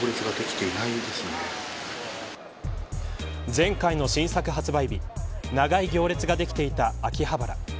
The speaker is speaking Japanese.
前回の新作発売日長い行列ができていた秋葉原。